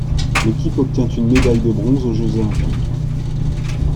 L'équipe obtient une médaille de bronze aux Jeux olympiques.